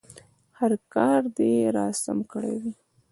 هر کار دې راسم کړی وي.